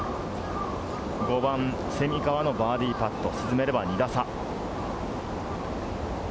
５番、蝉川のバーディーパット、沈めれば２打差。